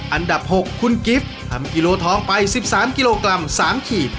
อันดับ๖คุณกิฟต์ทำกิโลทองไป๑๓กิโลกรัม๓ขีด